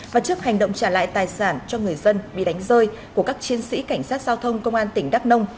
và trước hành động trả lại tài sản cho người dân bị đánh rơi của các chiến sĩ cảnh sát giao thông công an tỉnh đắk nông